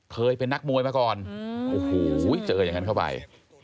เกิดไปเป็นนักมวยมาก่อนเจออย่างนั้นเข้าไป